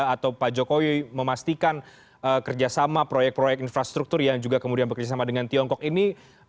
atau pak jokowi memastikan kerjasama proyek proyek infrastruktur yang juga kemudian bekerjasama dengan tiongkok ini